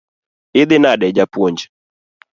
Idhi nade japuonj?